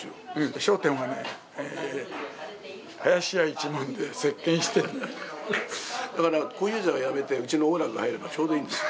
笑点はね、林家一門で席けんだから、小遊三が辞めて、うちの王楽が入れば、ちょうどいいんですよ。